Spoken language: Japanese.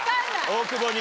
大久保に。